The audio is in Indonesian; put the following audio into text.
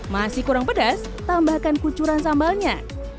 masih kurang pedas tambahkan kucuran sambalnya